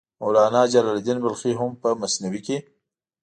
مولانا جلال الدین بلخي هم په مثنوي کې.